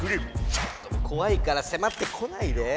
ちょっともうこわいからせまってこないで。